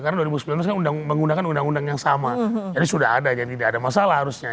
karena dua ribu sembilan belas kan menggunakan undang undang yang sama jadi sudah ada jadi tidak ada masalah harusnya